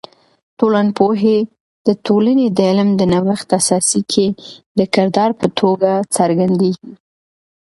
ټولنپوهی د ټولنې د علم د نوښت اساسي کې د کردار په توګه څرګندیږي.